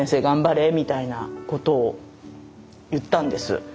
頑張れみたいなことを言ったんです。